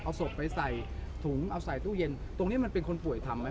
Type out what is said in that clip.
เอาศพไปใส่ถุงเอาใส่ตู้เย็นตรงนี้มันเป็นคนป่วยทำไหม